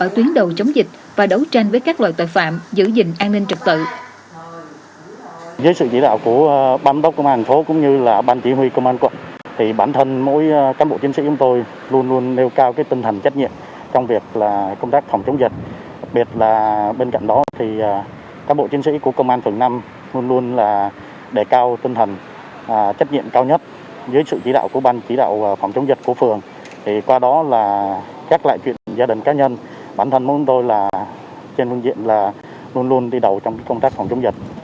tuyến đầu chống dịch và đấu tranh với các loại tội phạm giữ gìn an ninh trực tự